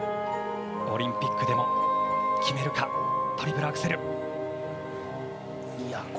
オリンピックでも決めるか、トリプルアクセル。